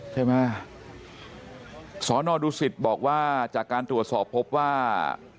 ใช่ไหมสอนอดูสิตบอกว่าจากการตรวจสอบพบว่า